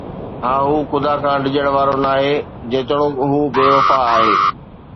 ها، هو خدا کان ڊڄڻ وارو ناهي، جيتوڻيڪ هو بي وفا آهي